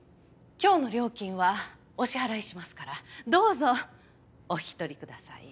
今日の料金はお支払いしますからどうぞお引き取りください。